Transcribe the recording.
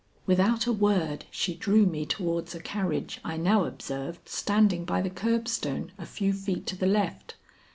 Without a word she drew me towards a carriage I now observed standing by the curbstone a few feet to the left.